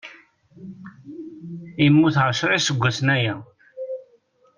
Immut ɛecra iseggasen aya.